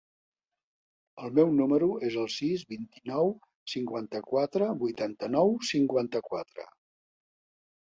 El meu número es el sis, vint-i-nou, cinquanta-quatre, vuitanta-nou, cinquanta-quatre.